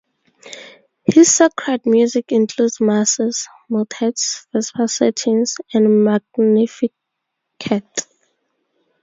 His sacred music includes masses, motets, vespers settings, and a Magnificat.